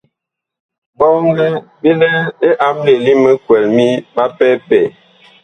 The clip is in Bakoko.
Bɔŋgɛ bi lɛ li amɓle li mikwɛl mi ɓapɛpɛɛ.